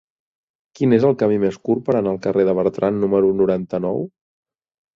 Quin és el camí més curt per anar al carrer de Bertran número noranta-nou?